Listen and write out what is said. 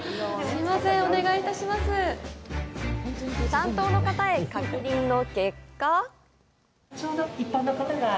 担当の方へ確認の結果？